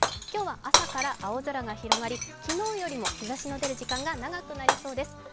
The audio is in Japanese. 今日は朝からよい天気で昨日よりも日ざしの出る時間が長くなりそうです。